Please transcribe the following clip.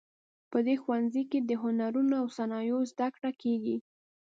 په دې ښوونځي کې د هنرونو او صنایعو زده کړه کیږي